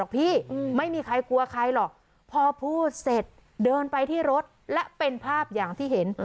พูดเสร็จเดินไปที่รถและเป็นภาพอย่างที่เห็น